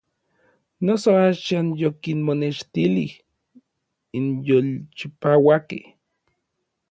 Noso axan yokinmonextilij n yolchipauakej.